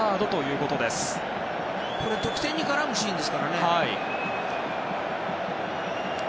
これ、得点に絡むシーンですからね。